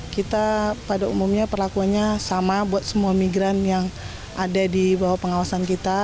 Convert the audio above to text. kita pada umumnya perlakuannya sama buat semua migran yang ada di bawah pengawasan kita